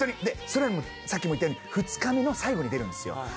でそれさっきも言ったように２日目の最後に出るんですよ。